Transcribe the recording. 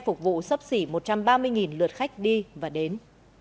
phục vụ sắp xỉ một trăm ba mươi lượt khách đi và đến